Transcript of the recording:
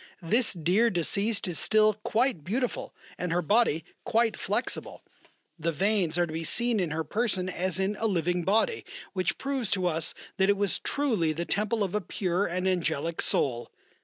"This dear deceased is still quite beautiful and her body quite flexible, the veins are to be seen in her person as in a living body, which proves to us that it was truly the temple of a pure and angelic soul.